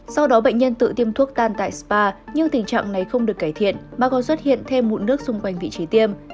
sau đó bệnh nhân tự tiêm thuốc tan tại spa nhưng tình trạng này không được cải thiện mà còn xuất hiện thêm mụn nước xung quanh vị trí tiêm